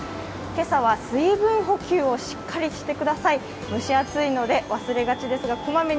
今朝は水分補給をしっかりしてください。